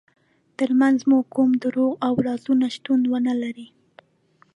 ترمنځ مو کوم دروغ او رازونه شتون ونلري.